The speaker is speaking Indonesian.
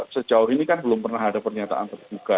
sejauh ini kan belum pernah ada pernyataan terbuka